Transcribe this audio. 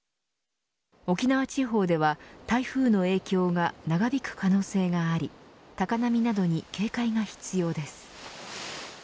沖縄地方では、台風の影響が長引く可能性があり高波などに警戒が必要です。